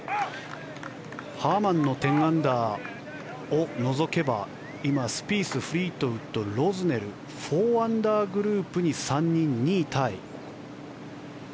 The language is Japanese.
ハーマンの１０アンダーを除けば今、スピース、フリートウッドロズネル、４アンダーグループに３人、２位タイ。